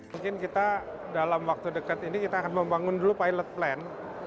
mungkin kita dalam waktu dekat ini kita akan membangun dulu pilot plan